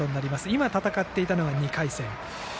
今、戦っていたのが２回戦。